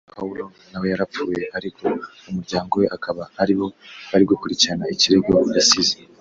Icyakora umwaka ushize Pule na we yarapfuye ariko umuryango we akaba aribo bari gukurikirana ikirego yasize